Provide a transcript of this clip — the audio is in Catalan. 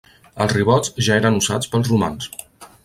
Els ribots ja eren usats pels romans.